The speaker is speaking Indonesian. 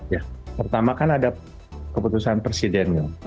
ya pertama kan ada keputusan presidennya